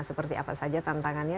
seperti apa saja tantangannya